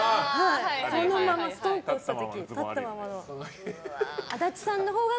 そのまま、ストンと落とした時立ったままの。